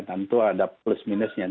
tentu ada plus minusnya